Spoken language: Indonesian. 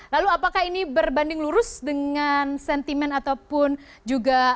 lalu apakah ini berbanding lurus dengan sentimen ataupun juga